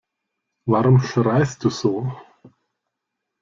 Warum schreist du so?